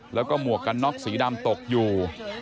แล้วก็หมวกกันน็อกสีดำตกอยู่